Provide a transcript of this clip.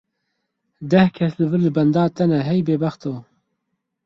Deh kes li vir li benda te ne hey bêbexto.